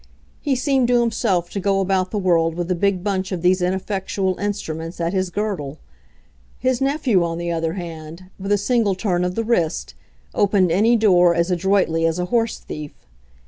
He seemed to himself to go about the world with a big bunch of these ineffectual instruments at his girdle. His nephew, on the other hand, with a single turn of the wrist, opened any door as adroitly as a horse thief.